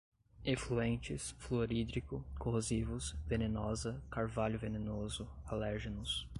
efluentes, fluorídrico, corrosivos, venenosa, carvalho venenoso, alérgenos